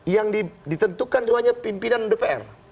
yang ditentukan itu hanya pimpinan dpr